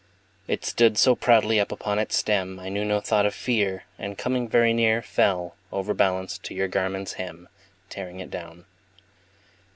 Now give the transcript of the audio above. It stood so proudly up upon its stem, I knew no thought of fear, And coming very near Fell, overbalanced, to your garment's hem, Tearing it down.